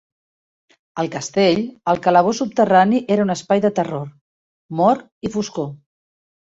Al castell, el calabós subterrani era un espai de terror, mort i foscor.